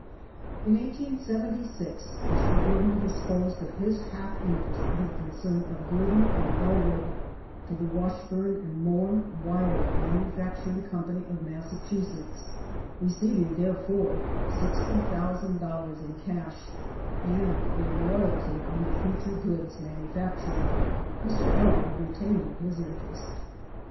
In 1876 Mr. Glidden disposed of his half interest in the concern of Glidden & Ellwood to the Washburn & Moen (wire) Manufacturing Company, of Massachusetts, receiving therefor $60,000 in cash and a royalty on the future goods manufactured, Mr. Ellwood retaining his interest.